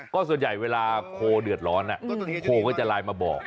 ก็ส่วนใหญ่เวลาโคเดือดร้อนโคก็จะไลน์มาบอก